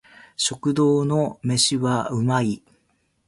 食堂の飯は美味い